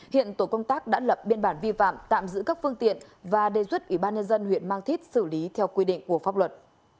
hiện tổ công tác đã lập biên bản vi phạm tạm giữ các phương tiện và đề xuất ủy ban nhân dân huyện mang thít xử lý theo quy định của pháp luật